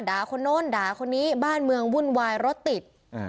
คนโน้นด่าคนนี้บ้านเมืองวุ่นวายรถติด